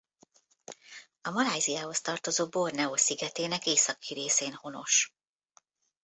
A Malajziához tartozó Borneó szigetének északi részén honos.